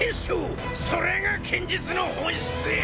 それが剣術の本質よ！